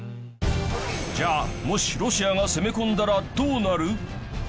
じゃあもしロシアが攻め込んだらどうなる？